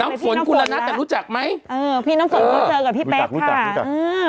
เขาออกมารู้จักไหมอ่ะพี่น้องฝนกุญลัดเตอร์พี่แป๊กค่ะเออ